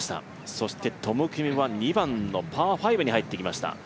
そしてトム・キムは２番のパー５に入ってきました。